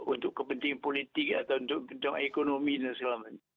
untuk kepentingan politik atau untuk ekonomi dan sebagainya